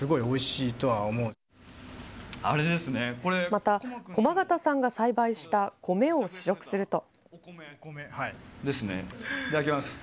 また、駒形さんが栽培したコメを試食すると。